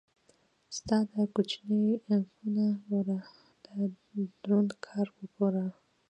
ستا دا کوچنۍ کونه ګوره دا دروند کار وګوره.